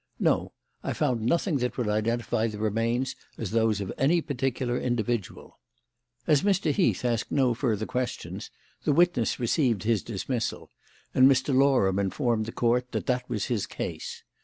"No. I found nothing that would identify the remains as those of any particular individual." As Mr. Heath asked no further questions, the witness received his dismissal, and Mr. Loram informed the Court that that was his case.